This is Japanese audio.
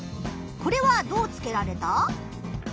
これはどうつけられた？